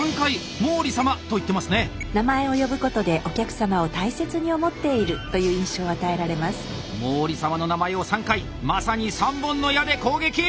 毛利様の名前を３回まさに三本の矢で攻撃！